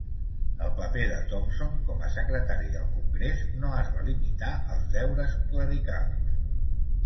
El paper de Thomson com a secretari del Congrés no es va limitar als deures clericals.